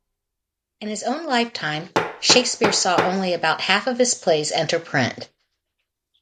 In his own lifetime, Shakespeare saw only about half of his plays enter print.